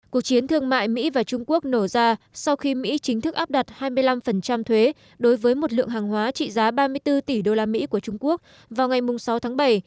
cuộc chiến thương mại mỹ và trung quốc nổ ra sau khi mỹ chính thức áp đặt hai mươi năm thuế đối với một lượng hàng hóa trị giá ba mươi bốn tỷ usd của trung quốc vào ngày sáu tháng bảy